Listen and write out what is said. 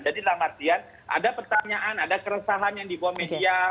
jadi dalam artian ada pertanyaan ada keresahan yang di bawah media